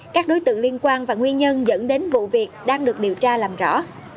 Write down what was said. các đối tượng liên quan và nguyên nhân dẫn đến vụ việc đang được điều tra làm rõ